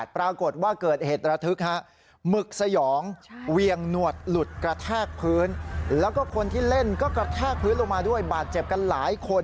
ปรากฏว่าเกิดเหตุระทึกฮะหมึกสยองเวียงหนวดหลุดกระแทกพื้นแล้วก็คนที่เล่นก็กระแทกพื้นลงมาด้วยบาดเจ็บกันหลายคน